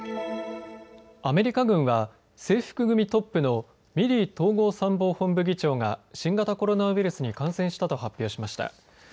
アメリカ軍は制服組トップのミリー統合参謀本部議長が新型コロナウイルスに感染したと発表しました。